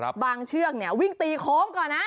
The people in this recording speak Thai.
บางเชือกวิ่งตีโค้งก่อนนะ